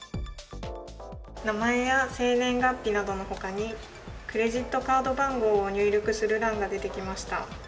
名前や生年月日などのほかに、クレジットカード番号を入力する欄が出てきました。